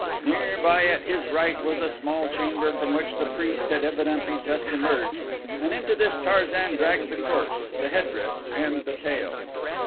Near by at his right was a small chamber from which the priest had evidently just emerged and into this Tarzan dragged the corpse, the headdress, and the tail.